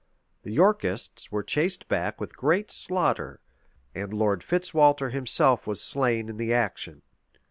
The Yorkists were chased back with great slaughter; and Lord Fitzwalter himself was slain in the action.